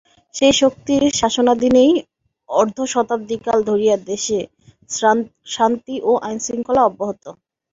সেই শক্তির শাসনাধীনেই অর্ধ-শতাব্দীকাল ধরিয়া দেশে শান্তি ও আইন-শৃঙ্খলা অব্যাহত।